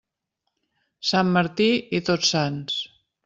Sant Martí i Tots Sants.